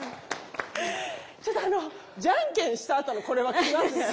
ちょっとあのじゃんけんしたあとのこれはきますね。